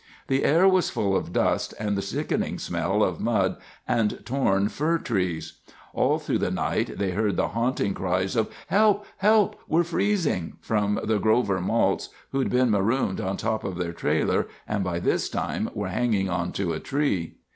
The air was full of dust and the sickening smell of mud and torn fir trees. All through the night they heard the haunting cries of "Help, help—we're freezing," from the Grover Maults, who'd been marooned on top of their trailer and by this time were hanging onto a tree.